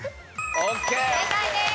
正解です。